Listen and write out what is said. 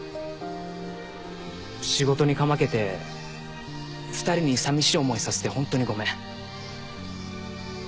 仕事にかまけて２人にさみしい思いさせてホントにごめん。